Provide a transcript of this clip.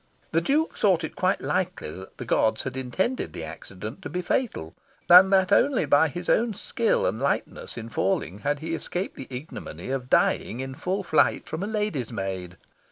The Duke thought it quite likely that the gods had intended the accident to be fatal, and that only by his own skill and lightness in falling had he escaped the ignominy of dying in full flight from a lady's maid.